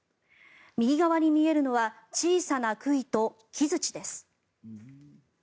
右側に見えるのは小さな杭と木づちです。